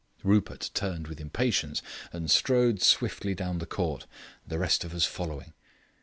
Rupert turned with impatience and strode swiftly down the court, the rest of us following.